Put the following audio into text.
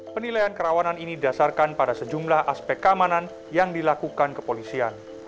penilaian kerawanan ini didasarkan pada sejumlah aspek keamanan yang dilakukan kepolisian